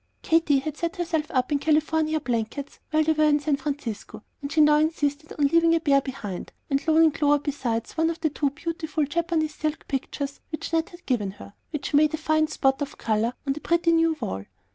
Katy had set herself up in California blankets while they were in San Francisco, and she now insisted on leaving a pair behind, and loaning Clover besides one of two beautiful Japanese silk pictures which Ned had given her, and which made a fine spot of color on the pretty new wall.